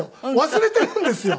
忘れているんですよ。